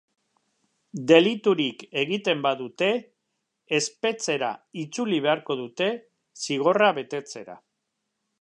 Deliturik egiten badute, espetxera itzuli beharko dute zigorra betetzera.